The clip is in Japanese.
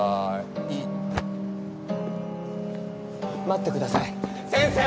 待ってください先生！